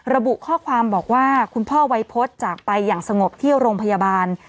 ระบุข้อความบอกว่าคุณพ่อวัยพฤษจากไปอย่างสงบที่โรงพยาบาล